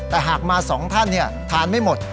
แต่หากมา๒ท่านทานไม่หมด